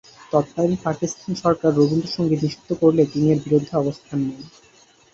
তৎকালীন পাকিস্তান সরকার রবীন্দ্রসঙ্গীত নিষিদ্ধ করলে তিনি এর বিরুদ্ধে অবস্থান নেন।